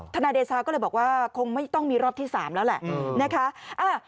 นายเดชาก็เลยบอกว่าคงไม่ต้องมีรอบที่๓แล้วแหละนะคะ